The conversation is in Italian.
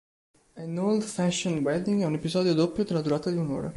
An Old-Fashioned Wedding è un episodio doppio della durata di un'ora.